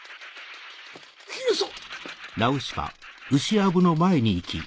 姫様！